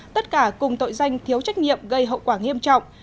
tất cả cùng tội danh thiếu trách nhiệm gây hậu quả nghiêm trọng